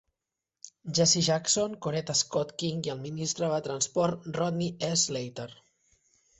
Jesse Jackson, Coretta Scott King i el ministre de Transport Rodney E. Slater.